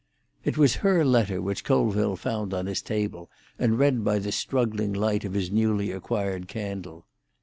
It was her letter which Colville found on his table and read by the struggling light of his newly acquired candle.